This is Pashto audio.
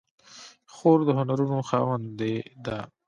خور د هنرونو خاوندې ده.